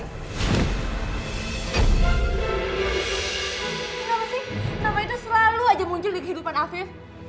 kenapa sih nama itu selalu aja muncul di kehidupan afif